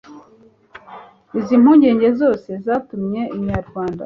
izi mpungenge zose zatumye Inyarwanda